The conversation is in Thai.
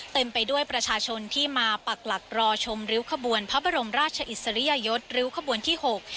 เต็มไปด้วยประชาชนที่มาปักหลักรอชมริ้วขบวนพระบรมราชอิสริยยศริ้วขบวนที่หก